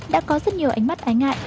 đã có rất nhiều ánh mắt ái ngại